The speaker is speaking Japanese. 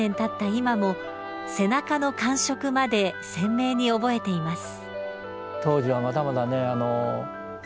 今も背中の感触まで鮮明に覚えています。